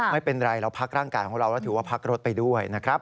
ไม่เป็นไรเราพักร่างกายของเราแล้วถือว่าพักรถไปด้วยนะครับ